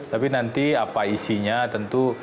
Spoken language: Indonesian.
tapi nanti apa isinya tentu